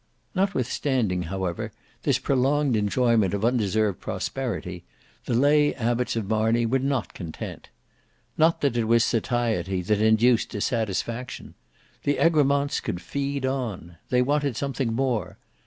Notwithstanding however this prolonged enjoyment of undeserved prosperity, the lay abbots of Marney were not content. Not that it was satiety that induced dissatisfaction. The Egremonts could feed on. They wanted something more.